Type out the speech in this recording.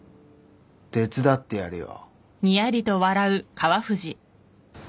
手伝ってやるよ。